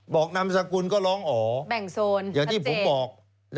นามสกุลก็ร้องอ๋อแบ่งโซนอย่างที่ผมบอก